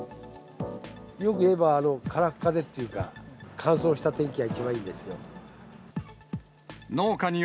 よくいえば空っ風っていうか、乾燥した天気が一番いいんですよ。